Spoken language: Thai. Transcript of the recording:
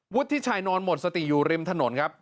ทิชัยนอนหมดสติอยู่ริมถนนครับ